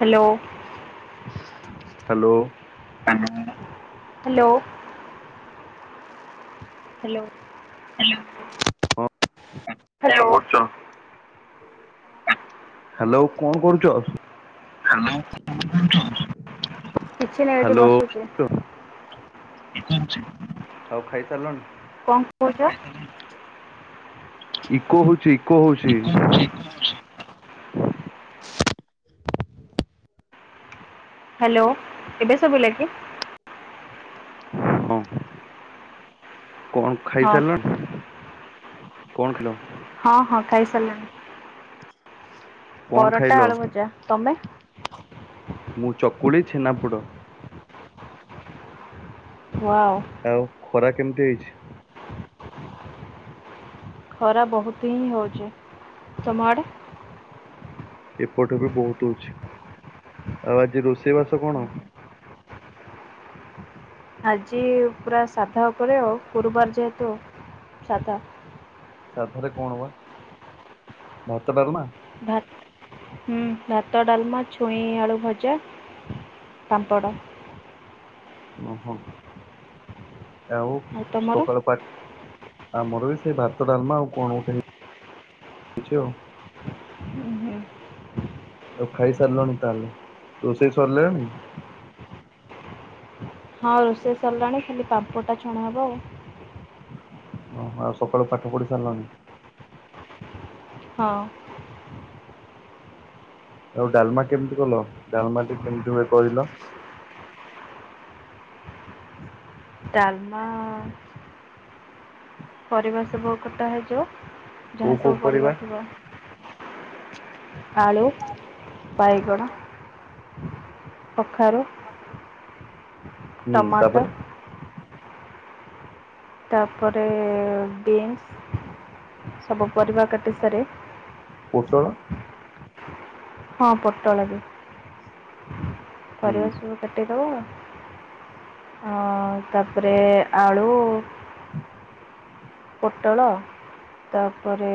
Hello. Hello. Hello. Hello. Hello hello. Hello କଣ କରୁଚ? Hello କଣ କରୁଚ କିଛି ନାହିଁ ଏଠି ହ୍ୟାଲୋ ବସିଛି। [unintelligible] ଆଉ ଖାଇସାରିଲଣି? କହୁଛ? ଇକୋ ହଉଛି ଇକୋ ହଉଛି। ହ୍ୟାଲୋ ଏବେ ସୁଵିଲାକି? ହଁ କଣ ଖାଇ ହଁ ସାରିଲଣି? କଣ ଖାଇଲ? ହଁ ହଁ ଖାଇ ସାରିଲାଣି କଣ ଖାଇଲ ପରଟା ଆଳୁ ଭଜା ତମେ? ମୁଁ ଚକୁଳି ଛେନାପୋଡ। ୱାଓ। ଆଉ ଖରା କେମିତି ହେଇଛି? ଖରା ବହୁତ ହିଁ ହୋଉଛି ତମଆଡ଼େ? ଏପଟ ବି ବହୁତ ହଉଛି ଆଉ ଆଜି ରୋଷେଇ ବାସ କଣ? ଆଜି ପୁରା ସାଧା ଉପରେ ଆଉ ଗୁରୁବାର ଯେହେତୁ ସାଧା। ସାଧାରେ କଣ ବା ଭାତ ଡାଲମା? ଭାତ ହୁଁ ଭାତ ଡାଲମା ଛୁଇଁ ଆଳୁ ଭଜା ପାମ୍ପଡ ଓ ହୋ। ଆଉ ସକାଳ ପାଠ ଆମର ବି ସେଇ ଭାତ ଡାଲମା ଆଉ କଣ ଉଠେଇ ହୁ ହୁଁ ଆଉ ଖାଇ ସାରିଲଣି ତାହେଲେ ରୋଷେଇ ସରିଲାଣି? ହଁ ରୋଷେଇ ସରିଲାଣି ଖାଲି ପାମ୍ପଡଟା ଛଣାହବ ଆଉ ଓହୋ ଆଉ ସକାଳୁ ପାଠ ପଢି ସାରିଲାଣି? ହଁ। ଆଉ ଡାଲମା କେମିତି କଲ ଡାଲମା ଟିକେ କେମିତି ହୁଏ କହିଲ? ଡାଲମା ପରିବା ସବୁ କଟା ହେଯାଉ ଯାହା କୋଉ କୋଉ ସବୁ ପରିବା ଥିବ ଆଳୁ ବାଇଗଣ କଖାରୁ ହୁଁ ଟମାଟର ତାପରେ ତାପରେ ବିନ୍ସ [inaudible] ସବୁ ପରିବା କାଟି ସାରେ ପୋଟଳ? ହଁ ପୋଟଳ ବି ହୁଁ ପରିବା ସବୁ କାଟିଦବ ଅ ତାପରେ ଆଳୁ ପୋଟଳ ତାପରେ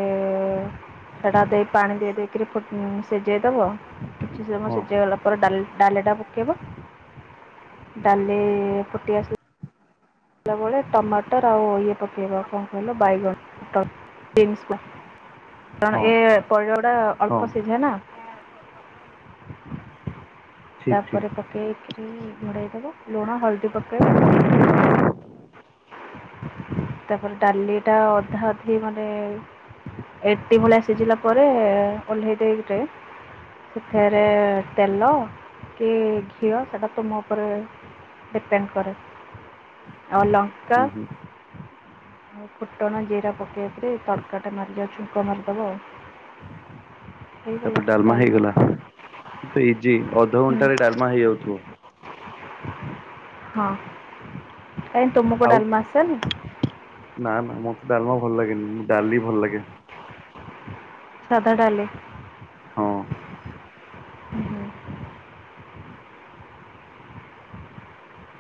ସେଟା ଦେଇ ପାଣି ଦେଇ ଦେଇକି ସିଝେଇଦବ କିଛି ସମୟ ହଁ ସିଝେଇ ଗଲା ପରେ ଡା ଡାଲିଟା ପକେଇବ ଡାଲି ଫୁଟି ଆସ ବଲାବେଳେ ଟମାଟର ଆଉ ଇଏ ପକେଇବା କଣ କହିଲୁ ବାଇଗଣଟ [unintelligible] ହଁ ଏ ପରିବା ଗୁଡା ହଁ ଅଳ୍ପ ସିଝେ ନା ଠିକ ତାପରେ ଠିକ ପକେଇକିରି ଗଡ଼େଇ ଦେବ ଲୁଣ ହଳଦୀ ପକେଇବ ତାପରେ ଡାଲି ଟା ଅଧା ଅଧି ମାନେ ଏଟି ମୂଳିଆ ସିଝିଲା ପରେ ଓହ୍ଲେଇ ଦେଇରେ ଫେରେ ତେଲ କି ଘିଅ ସେଇଟା ତୁମ ଉପରେ ଡିପେଣ୍ଡ କରେ ଆଉ ଲଙ୍କା କା ହୁଁ ହୁଁ ଆଉ ଫୁଟଣ ଜିରା ପକେଇବେ ତଡ଼କାଟା ମାରିଯାଉ ଛୁଙ୍କ ମାରିଦେବ ଆଉ [inaudible] ତାପରେ ଡାଲମା ହେଇଗଲା ଇଜି ହୁଁ ଅଧଘଣ୍ଟାରେ ଡାଲମା ହେଇଯାଉଥିବ ହଁ କାଇଁ ତୁମକୁ ଆଉ ଡାଲମା ଆସେନି କି ନା ନା ମତେ ଡାଲମା ଭଲ ଲାଗେନି ମୁଁ ଡାଲି ଭଲ ଲାଗେ ସାଧା ଡାଲି ହଁ।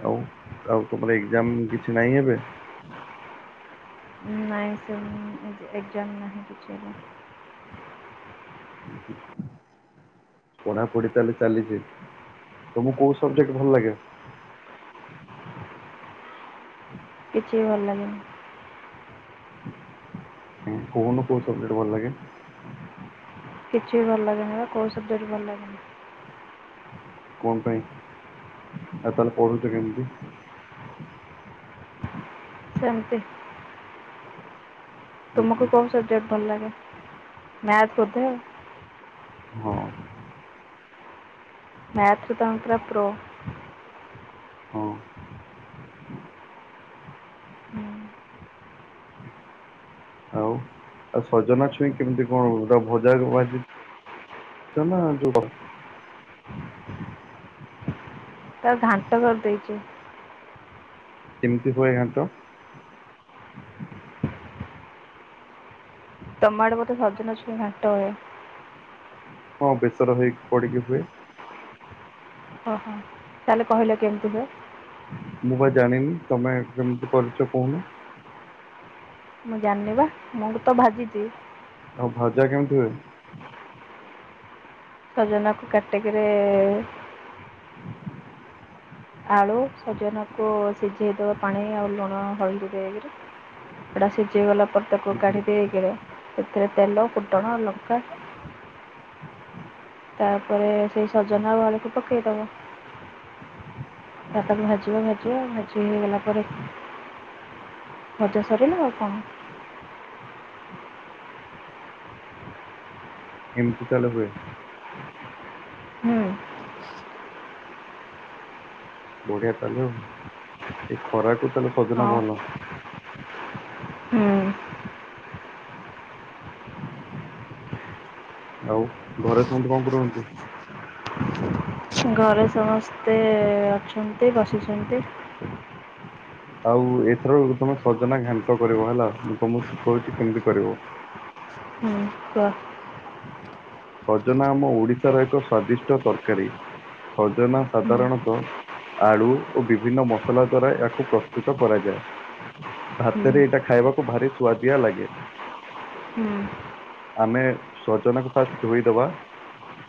ଆଉ ଆଉ ତମର ଏକଜାମ କିଛି ନାଇଁ ଏବେ ନାହିଁ ସେମ ଏକ୍ଜାମ ନାହିଁ କିଛି ଏବେ ପଢାପଢି ତାହେଲେ ଚାଲିଛି ତମକୁ କୋଉ ସବଜେକ୍ଟ ଭଲ ଲାଗେ କିଛି ବି ଭଲଲାଗେନି କହୁନା କଉ ସବଜେକ୍ଟ ଭଲ ଲାଗେ। କିଛି ବି ଭଲଲାଗେନା କୋଉ ସବଜେକ୍ଟ ବି ଭଲ ଲାଗେନି କଣ ପାଇଁ ଏ ତାହେଲେ ପଢୁଛ କେମିତି ସେମିତି। ହୁଁ ତୁମକୁ ହୁଁ କୋଉ ସବଜେକ୍ଟ ଭଲ ଲାଗେ ମ୍ୟାଥ ବୋଧେ ଆଉ ହଁ। ମ୍ୟାଥ ରେ ତମେ ପୁରା ପ୍ରୋ। ହଁ। ହୁଁ ଆଉ ଆଉ ସଜନା ଛୁଇଁ କେମିତି କଣ ଭଜା ଭାଝି [unintelligible] ଯୋ। ତାକୁ ଘାଣ୍ଟ କରିଦେଇଛୁ। କେମିତି ହୁଏ ଘାଣ୍ଟ? ତମ ଆଡେ ବୋଧେ ସଜନା ଛୁଇଁ ଘାଣ୍ଟ ହୁଏ। ହଁ ବେଶର ହେଇକି ପଡ଼ିକି ହୁଏ। ଓହୋ ତାହେଲେ କହିଲ କେମିତି ହୁଏ? ମୁଁ ବା ଜାଣିନି ତମେ କେମିତି କରିଛ କହୁନା। ମୁଁ ଜାଣିନି ବା ମୁଁବି ତ ଭାଜିଛି। ଆଉ ଭଜା କେମିତି ହୁଏ? ସଜନାକୁ କାଟିକିରି ଆଳୁ ସଜନାକୁ ସିଝେଇଦେବା ପାଣି ଆଉ ଲୁଣ ହଳଦି ଦେକିରି ସେଡା ସିଝେଇ ଗଲା ପରେ ତାକୁ ଉଁ ହୁଁ କାଢି ଦେଇକିରି ସେଥିରେ ତେଲ ଫୁଟଣ ଲଙ୍କା ତାପରେ ସେଇ ସଜନା ଆଉ ଆଳକୁ ପକେଇଦବ ତା ଭାଜି ଭାଜିବ ଭାଜିବ ଆଚ୍ଛା ଭାଜି ହେଇଗଲା ପରେ ଭଜା ସରିଲା ଆଉ କଣ। ଏମିତି ତାହେଲେ ହୁଏ। ହୁଁ ବଢିଆ ତାହେଲେ ଆଉ ଏ ଖରାକୁ ତାହେଲେ ସଜନା ହଁ ଭଲ। ହୁଁ। ଆଉ ଘରେ ସମସ୍ତେ କଣ କରନ୍ତି? ଘରେ ସମସ୍ତେ ଅଛନ୍ତି ବସିଛନ୍ତି। ଆଉ ଏଥର ତମେ ସଜନା ଘାଣ୍ଟ କରିବ ହେଲା ମୁଁ ତମକୁ ଶିଖଉଛି କେମିତି କରିବ। ହୁଁ କୁହ। ସଜନା ଆମ ଓଡିଶାର ଏକ ସ୍ଵାଦିଷ୍ଟ ତରକାରୀ। ସଜନା ହୁଁ ସାଧାରଣତଃ ଆଳୁ ଓ ବିଭିନ୍ନ ମସଲା ଦ୍ଵାରା ଏହାକୁ ପ୍ରସ୍ତୁତ କରାଯାଏ। ହୁଁ ଭାତରେ ଏଇଟା ଖାଇବାକୁ ଭାରି ସୁଆଦିଆ ଲାଗେ। ହୁଁ ଆମେ ସଜନାକୁ ଫାଷ୍ଟ ଧୋଇଦବା।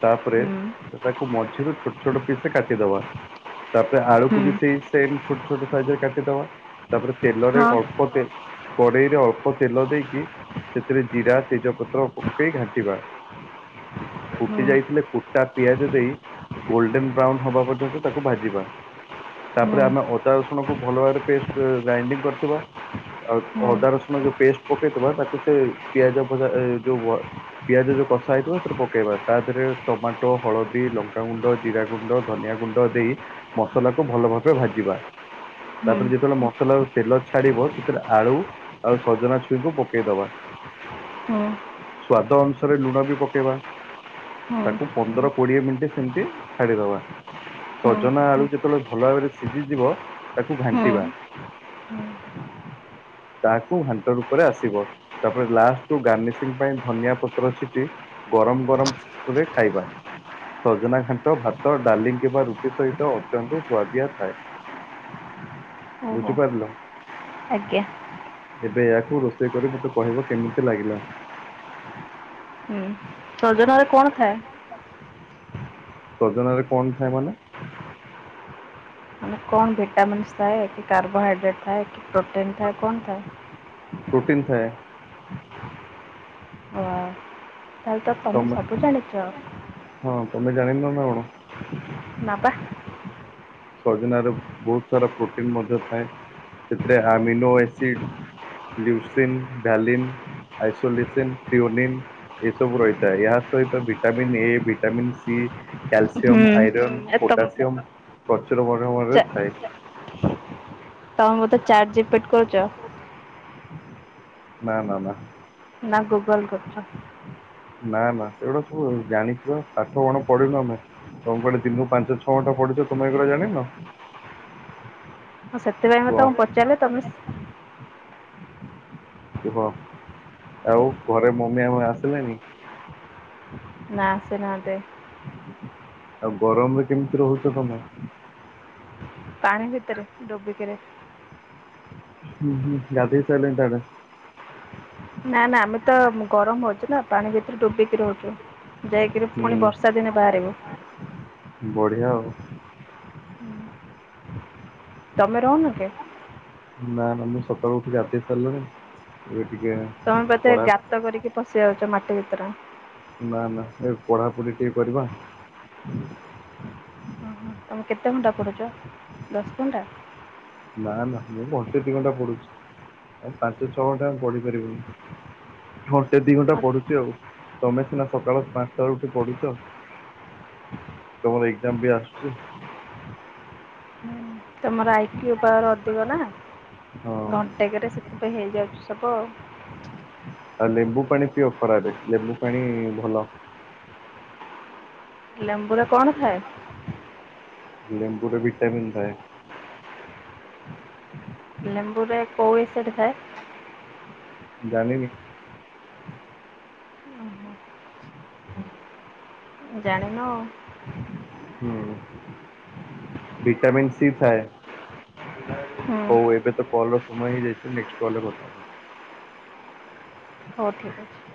ତାପରେ ହୁଁ ତାକୁ ମଝିରୁ ଛୋଟ ଛୋଟ ପିସରେ କାଟିଦବା। ତାପରେ ହୁଁ ଆଳୁକୁ ବି ସେଇ ସେମ୍ ଛୋଟ ଛୋଟ ସାଇଜିରେ କାଟିଦବା। ତାପରେ ତେଲରେ ହଁ ଅଳ୍ପ ତେ କଡ଼େଇରେ ଅଳ୍ପ ତେଲ ଦେଇକି ସେଥିରେ ଜିରା ତେଜପତ୍ର ପକେଇ ଘା ଟିବା ହୁଁ ଫୁଟି ଯାଇଥିଲେ କୁଟା ପିଆଜ ଦେଇ ଗୋଲ୍ଡେନ୍ ବ୍ରାଉନ୍ ହବା ପର୍ଯ୍ୟନ୍ତ ତାକୁ ଭାଜିବା। ହୁଁ ତାପରେ ଆମେ ଅଦା ରସଣକୁ ଭଲ ଭାବରେ ପେଷ୍ଟେ ଗ୍ରାଇଣ୍ଡିଙ୍ଗ୍ କରିଥିବା। ଆଉ ହୁଁ ଅଦା ରସୁଣ ଯୋଉ ପେଷ୍ଟେ ପକେଇଦବା ତାକୁ ସେ ପିଆଜ ଭଜା ଏ ଯୋଉ ପିଆଜ ଯଉ କଷା ହେଇଥିବ ସେଥିରେ ପକେଇବା ତା ଦେହରେ ଟମାଟୋ, ହଳଦୀ, ଲଙ୍କାଗୁଣ୍ଡ, ଜିରା, ଗୁଣ୍ଡ ଧନିଆ ଗୁଣ୍ଡ ଦେଇ ମସଲାକୁ ଭଲ ଭାବେ ଭାଜିବା ହୁଁ ତାପରେ ଯେତେବେଳେ ମସଲାରୁ ତେଲ ଛାଡ଼ିବ ସେତେବେଳେ ଆଳୁ ଆଉ ସଜନା ଛୁଇଁଙ୍କୁ ପକେଇଦବା ହୁଁ। ସ୍ଵାଦ ଅନୁସାରେ ଲୁଣବି ପକେଇବା ହୁଁ ତାକୁ ପନ୍ଦର କୋଡ଼ିଏ ମିନିଟ୍ ସେମତି ଛାଡ଼ିଦବା ହୁଁ ସଜନା ଆଳୁ ଯେତେବେଳେ ଭଲ ଭାବରେ ସିଝିଯିବ ତାକୁ ହୁଁ ଘାଣ୍ଟିବା ହୁଁ ତାକୁ ଘାଣ୍ଟ ରୂପରେ ଆସିବ ତାପରେ ଲାଷ୍ଟକୁ ଗାର୍ନିସିଂ ପାଇଁ ଧନିଆ ପତ୍ର ଛିଟି ଗରମ ଗରମରେ ଖାଇବା ସଜନା ଘାଣ୍ଟ ଭାତ ଡାଲି କିମ୍ବା ରୁଟି ସହିତ ଅତ୍ୟନ୍ତ ସୁଆଦିଆ ଥାଏ। ଓହୋ ବୁଝିପାରିଲ? ଆଜ୍ଞା। ଏବେ ଏହାକୁ ରୋଷେଇ କରି ମତେ କହିବ କେମିତି ଲାଗିଲା? ହୁଁ। ସଜନା ସଜନାରେ କଣ ଥାଏ ସଜନାରେ କଣ ଥାଏ ମାନେ? ମାନେ କଣ ଭିଟାମିନ୍ସ୍ ଥାଏ କି କାର୍ବୋହାଇଡ୍ରେଟ୍ ଥାଏ କି ପ୍ରୋଟିନ୍ ଥାଏ କଣ ଥାଏ? ପ୍ରୋଟିନ୍ ଥାଏ। ତାହେଲେତ ତମେ ସବୁ ଜାଣିଚ? ହଁ ତମେ ଜାଣିନନା କଣ? ନା ପା। ସଜନାରେ ବହୁତ୍ ସାରା ପ୍ରୋଟିନ ମଧ୍ୟ ଥାଏ ସେଥିରେ amino acid leucine valine isoleucine ଫିଓନନ୍ ଏ ସବୁ ରହିଥାଏ ଏହା ସହିତ ଭିଟାମିିନ ଏ ଭିଟାମିନ୍ ସି ହୁଁ କ୍ୟଲସୟାମ ଆଇରନ୍ ଏ ତମ ପୋଟ ସିୟମ୍ ପ୍ରଚୁର ପରିମାଣରେ ଚା ଥାଏ। ତମେ ମୋତେ ଚାର୍ଟ ଜିପିଟ୍ କହୁଚ? ନା ନା ନା। ନା ଗୁଗଲ୍ କରୁଚ? ନା ନା ସେଗୁଡ଼ା ସବୁ ଜାଣିଚୁପା ପାଠ କଣ ପଢିନୁ ଆମେ। ସବୁବେଳେ ଦିନକୁୁ ପାଞ୍ଚ ଛଅ ଘଣ୍ଟା ପଢୁଚ ତମେ ଏଗୁଡ଼ା ଜାଣିନ? ହ ସେଥିପାଇଁତ କୁହ ତମକୁ ପଚାରିଲି ତମେ କୁହ ଆଉ ଘରେ ମମି ଆଉ ଆସିଲେଣିି? ନା ଆସିନାହାଁନ୍ତି। ଆଉ ଗରମରେ କେମିତି ରହୁଚ ତମେ? ପାଣି ଭିତରେ ଡୁବିକିରି। ହୁଁ ହୁଁ ଗାଧୋଇ ସାରିଲେଣି ତାହାଲେ? ନା ନା ଆମେତ ଗରମ ହଉଚିନା ପାଣି ଭିତରେ ଡୁବିକି ରହୁଛୁ। ଯାଇକିରି ହୁଁ ପୁଣି ବର୍ଷା ଦିନେ ବାହାରିବୁ। ବଢିଆ ଆଉ। ତୋମେ ରହୁନ କି। ନା ନା ମୁଁ ସକାଳୁ ଉଠିକି ଗାଧେଇ ସାରିଲିଣିି, ଏବେ ଟିକେ ତୋମେ ବୋଧେ ପଢା ଗାତ କରିକି ପଶି ଯାଉଛ ମାଟି ଭିତରେ। ନା ନା ଏ ପଢାପଢି ଟିକେ କରିବା। ତୋମେ କେତେ ଘଣ୍ଟା ପଢୁଛ? ଦଶ ଘଣ୍ଟା? ନା ନା ମୁଁ ଘଣ୍ଟେ ଦି ଘଣ୍ଟା ପଢୁଛି। ଆଉ ପାଞ୍ଚ ଛଅ ଘଣ୍ଟା ପଢି ପାରିବୁନି। ଘଣ୍ଟେ ଦି ଘଣ୍ଟା ପଢୁଛି ଆଉ। ତୋମେ ସିନା ସକାଳ ପାନ୍ସଟା ରୁ ଉଠି ପଢୁଛ। ତୋମର ଏକ୍ଜାମ୍ ବି ଆସୁଛି। ତୋମର ଆଇକ୍ୟୁ ପାୱାର୍ ଅଧିକ ନା ହଁ। ଘଣ୍ଟେକେରେ ସେଥିପାଇଁ ହେଇଯାଉଛି ସବୁ ଆଉ। ଆଉ ଲେମ୍ବୁ ପାଣି ପିଅ ଖରାଦିନେ, ଲେମ୍ବୁ ପାଣି ଭଲ। ଲେମ୍ବୁରେ କଣ ଥାଏ? ଲେମ୍ବୁ ର ଭିଟାମିିନ୍ ଥାଏ। ଲେମ୍ବୁ ରେ କୋଉ ଏସିଡ୍ ଥାଏ? ଜାଣିନି। ଜାଣିନ। ହୁଁ, ଭିଟାମିିନ୍ ସି ଥାଏ। ହୁଁ ହଉ ଏବେ ତ କଲ୍ ର ସମୟ ହେଇ ଯାଇଛି ନେକ୍ସଟ୍ କଲ୍ ରେ କଥା। ହଉ ଠିକ୍ ଅଛି।